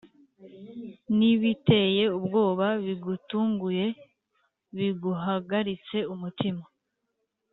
n’ibiteye ubwoba bigutunguye biguhagaritse umutima